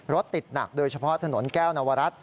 รถติดหนักโดยเฉพาะถนนแก้วนวรัฐ